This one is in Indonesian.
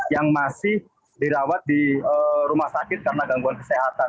yang masih dirawat di rumah sakit karena gangguan kesehatan